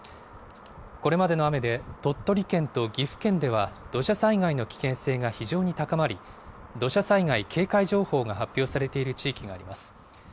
これまでの雨で、鳥取県と岐阜県では土砂災害の危険性が非常に高まり、土砂災害警戒情報が発表されている地域があります。